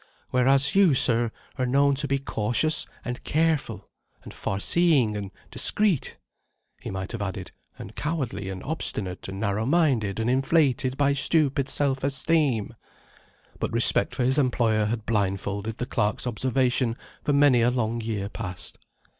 Whereas you, sir, are known to be cautious and careful, and farseeing and discreet." He might have added: And cowardly and obstinate, and narrow minded and inflated by stupid self esteem. But respect for his employer had blindfolded the clerk's observation for many a long year past.